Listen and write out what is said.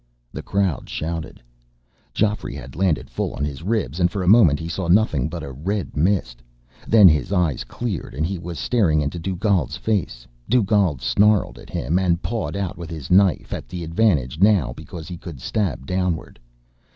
The crowd shouted. Geoffrey had landed full on his ribs, and for a moment he saw nothing but a red mist. Then his eyes cleared and he was staring into Dugald's face. Dugald snarled at him, and pawed out with his knife, at the advantage now because he could stab downward.